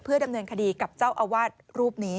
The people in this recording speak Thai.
ดำเนินคดีกับเจ้าอาวาสรูปนี้